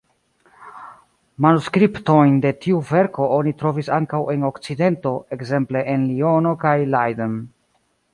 Manuskriptojn de tiu verko oni trovis ankaŭ en Okcidento, ekzemple en Liono kaj Leiden.